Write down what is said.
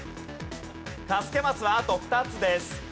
助けマスはあと２つです。